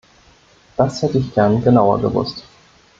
Das hätte ich gern genauer gewusst.